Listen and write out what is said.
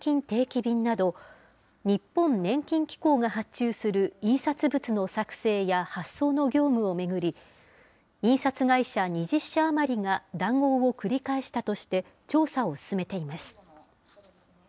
定期便など、日本年金機構が発注する印刷物の作成や発送の業務を巡り、印刷会社２０社余りが談合を繰り返したとして、調査を進めています。